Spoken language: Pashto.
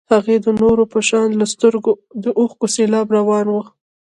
هغې د نورو په شان له سترګو د اوښکو سېلاب روان و.